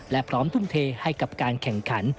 และพร้อมทุ่มเทให้กับการแข่งขัน